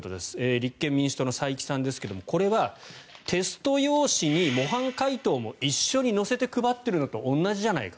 立憲民主党の斉木さんですがこれはテスト用紙に模範解答も一緒に載せて配っているのと同じじゃないか。